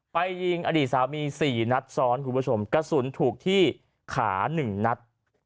ยิงอดีตสามี๔นัดซ้อนคุณผู้ชมกระสุนถูกที่ขา๑นัด